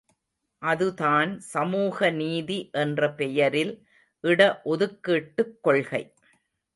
அதுதான் சமூகநீதி என்ற பெயரில் இட ஒதுக்கீட்டுக் கொள்கை!